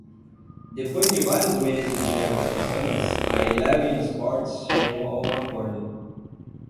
Depois de vários meses de negociações, a Eleven Sports chegou a um acordo.